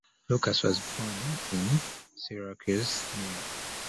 Lucas was born in Syracuse, New York.